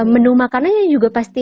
menu makanannya juga pasti